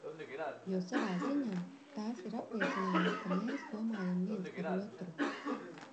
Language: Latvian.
Jo savā ziņā tās ir apliecinājums, ka mēs domājam viens par otru.